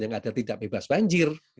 yang ada tidak bebas banjir